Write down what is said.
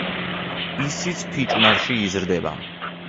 ისიც ფიჭვნარში იზრდება.